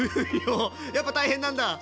やっぱ大変なんだ？